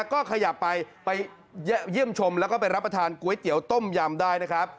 ก็ขยับไปไปเยี่ยมชมแล้วก็ไปรับประทานก๋วยเตี๋ยวต้มยำได้นะครับ